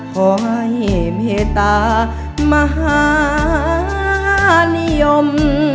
ขอให้เมตตามหานิยม